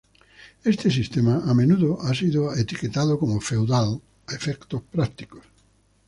Este sistema a menudo ha sido etiquetado como feudal a efectos prácticos.